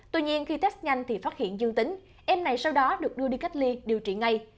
tuy nhiên khi test nhanh thì phát hiện dương tính em này sau đó được đưa đi cách ly điều trị ngay